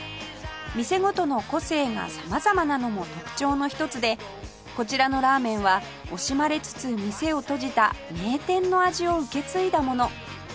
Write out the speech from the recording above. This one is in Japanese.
店ごとの個性が様々なのも特徴の一つでこちらのラーメンは惜しまれつつ店を閉じた名店の味を受け継いだもの